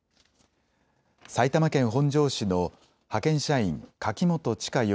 埼玉県本庄市の派遣社員、柿本知香